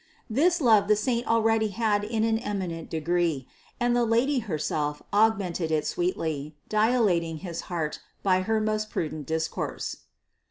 This love the saint already had in an eminent degree, and the Lady herself augmented it sweetly, dilating his heart by her most prudent discourse.